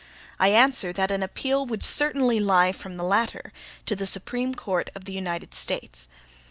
I answer, that an appeal would certainly lie from the latter, to the Supreme Court of the United States.